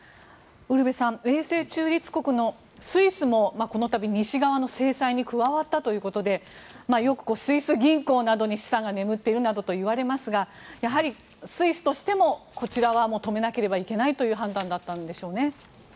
ウルヴェさん永世中立国のスイスもこの度、西側の制裁に加わったということでよくスイス銀行などに資産が眠っているなどと言われますがやはりスイスとしてもこちらは止めなきゃいけないという判断だったんでしょうね。